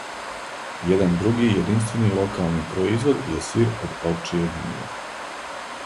Један други јединствени локални производ је сир од овчјег млијека.